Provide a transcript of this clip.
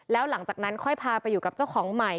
แล้วหลังจากนั้นค่อยพาไปอยู่กับเจ้าของใหม่